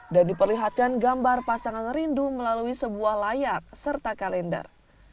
dan diperlihatkan gambar pasangan rindu melalui sebuah layar serta kalender